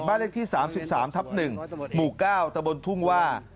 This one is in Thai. เลขที่๓๓ทับ๑หมู่๙ตะบนทุ่งว่า